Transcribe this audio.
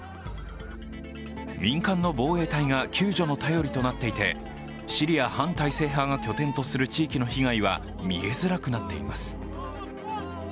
民間の防衛隊が救助の頼りとなっていて、シリア反体制派が拠点とする地域の被害は見えづらくなっています。